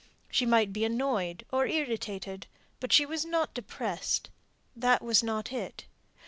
She might be annoyed, or irritated, but she was not depressed. That was not it.